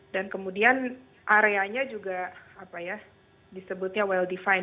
dan kemudian areanya juga disebutnya well defined